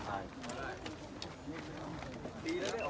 สวัสดีครับทุกคน